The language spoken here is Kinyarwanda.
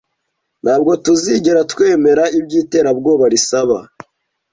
Ntabwo tuzigera twemera ibyo iterabwoba risaba